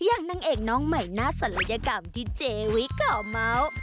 นางเอกน้องใหม่หน้าศัลยกรรมที่เจวิก่อเม้า